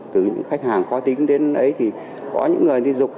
từ những khách hàng khó tính đến đấy thì có những người đi dục